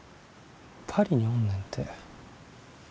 パリにおんねんて。